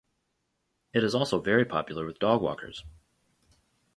It is also very popular with dog walkers.